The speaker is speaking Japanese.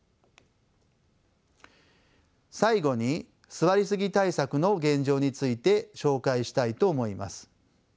最後に座りすぎ対策の現状について紹介したいと思います。